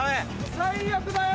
最悪だよ！